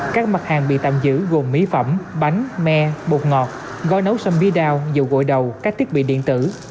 các mặt hàng bị tạm giữ gồm mỹ phẩm bánh me bột ngọt gói nấu xăm bia đào dầu gội đầu các thiết bị điện tử